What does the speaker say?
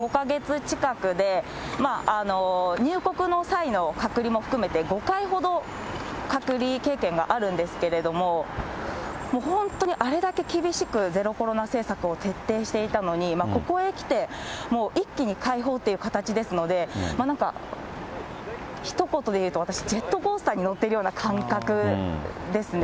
私自身、北京に赴任して、この５か月近くで、入国の際の隔離も含めて、５回ほど隔離経験があるんですけれども、もう本当にあれだけ厳しくゼロコロナ政策を徹底していたのに、ここへきて、もう一気に開放という形ですので、なんか、ひと言で言うと、私、ジェットコースターに乗っているような感覚ですね。